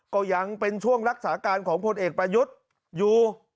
ก็ยังเป็นช่วงรักษาการของพลเอกประยุทธ์อยู่